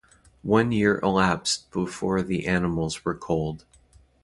One year elapsed before the animals were culled.